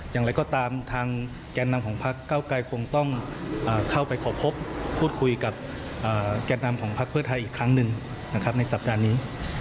อย่างไรก็ตามทางแก่นำของพักเก้าไกรคงต้องเข้าไปขอพบพูดคุยกับแก่นำของพักเพื่อไทยอีกครั้งหนึ่งนะครับในสัปดาห์นี้